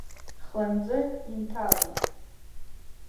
Хланҵы инҭалеит.